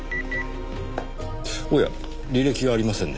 おや履歴がありませんね。